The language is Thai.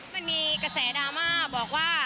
มันมีกระแสดราม่าบอกว่า